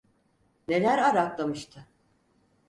Neler araklamıştı.